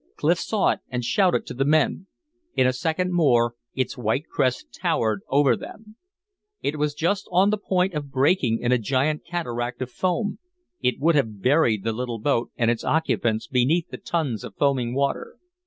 Clif saw it, and shouted to the men. In a second more its white crest towered over them. It was just on the point of breaking in a giant cataract of foam; it would have buried the little boat and its occupants beneath tons of foaming water.